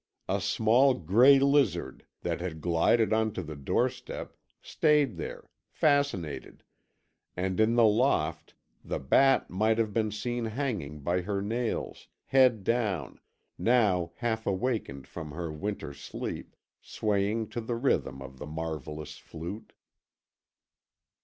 A small grey lizard, that had glided on to the doorstep, stayed there, fascinated, and, in the loft, the bat might have been seen hanging by her nails, head down, now half awakened from her winter sleep, swaying to the rhythm of the marvellous flute.